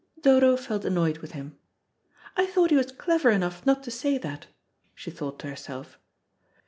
Dodo felt annoyed with him. "I thought he was clever enough not to say that," she thought to herself.